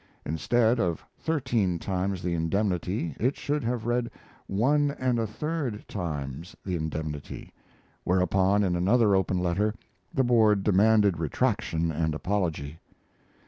Instead of thirteen times the indemnity it should have read "one and a third times" the indemnity; whereupon, in another open letter, the board demanded retraction and apology.